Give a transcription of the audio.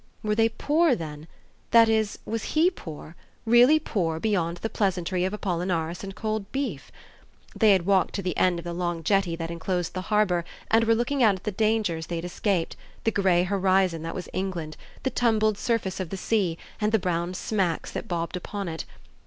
Were they poor then, that is was HE poor, really poor beyond the pleasantry of apollinaris and cold beef? They had walked to the end of the long jetty that enclosed the harbour and were looking out at the dangers they had escaped, the grey horizon that was England, the tumbled surface of the sea and the brown smacks that bobbed upon it.